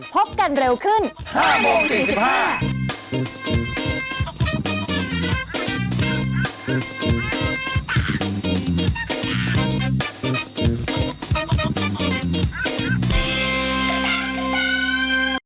โปรดติดตามตอนต่อไป